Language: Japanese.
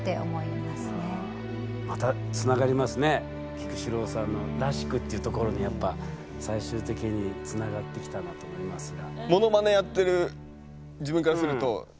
菊紫郎さんの「らしく」っていうところにやっぱ最終的につながってきたなと思いますが。